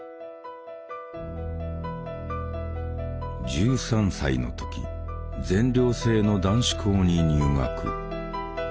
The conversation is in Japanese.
１３歳の時全寮制の男子校に入学。